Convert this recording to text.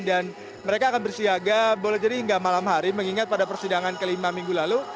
mereka akan bersiaga boleh jadi hingga malam hari mengingat pada persidangan kelima minggu lalu